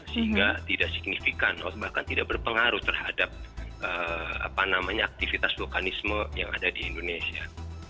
sehingga tidak signifikan atau bahkan tidak berpengaruh terhadap apa namanya aktivitas lokanisme yang ada di indonesia